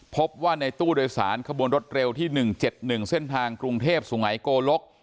พบว่าในตู้โดยสารขบวนรถเร็วที่๑๗๑เส้นทางกรุงเทพสุงัยโกลก